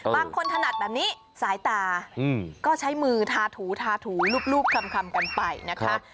ถนัดแบบนี้สายตาก็ใช้มือทาถูทาถูรูปคำกันไปนะคะ